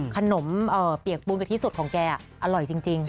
ขนมเปียกปูนกะทิสดของแกอร่อยจริง